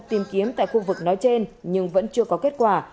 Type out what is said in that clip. tìm kiếm tại khu vực nói trên nhưng vẫn chưa có kết quả